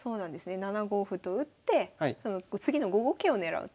７五歩と打って次の５五桂を狙うと。